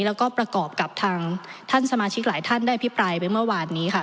แล้วก็ประกอบกับทางท่านสมาชิกหลายท่านได้อภิปรายไปเมื่อวานนี้ค่ะ